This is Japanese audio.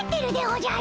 おじゃ。